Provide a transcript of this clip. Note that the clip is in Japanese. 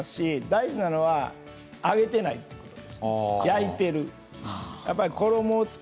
大事なのは揚げてない焼いているということです。